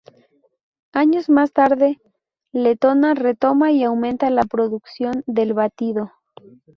Años más tarde "Letona" retoma y aumenta la producción del batido.